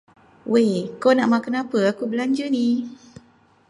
Wei, kau nak makan apa aku belanja ni.